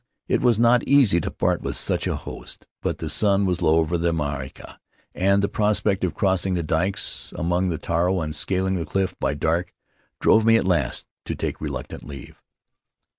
..." It was not easy to part with such a host, but the sun was low over the makatea, and the prospect of crossing the dikes among the taro and scaling the cliff by dark drove me at last to take reluctant leave.